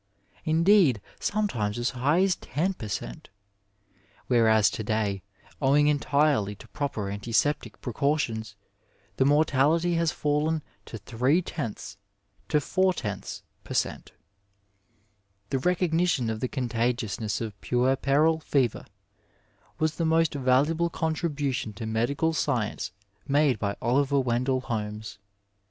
indeed sometimes as high as ten per cent., whereas to day, owing entirely to proper antiseptic precautions, the mortality has fallen to three tenths to four tenths per cent. The recognition of the contagiousness of puerperal fever Digitized by Google MEDICINE IN THE NINETEENTH CENTURY was the most valuable contribution to medical science made by Oliver WendeU Holmes.